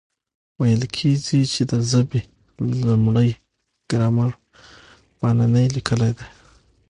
ویل کېږي، چي د ژبي لومړی ګرامر پانني لیکلی دئ.